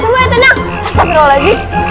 udah udah tenang semuanya tenang